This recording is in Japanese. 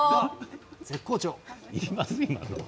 絶好調。